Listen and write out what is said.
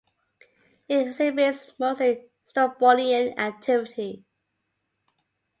It exhibits mostly strombolian activity.